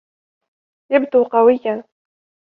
يبدو قوياً.